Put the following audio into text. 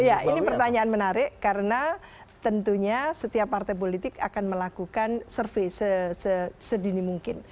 iya ini pertanyaan menarik karena tentunya setiap partai politik akan melakukan survei sedini mungkin